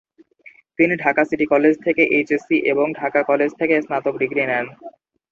তিনি Dhaka city college থেকে HSC এবং ঢাকা কলেজ থেকে স্নাতক ডিগ্রি নেন।